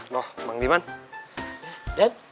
loh bang diman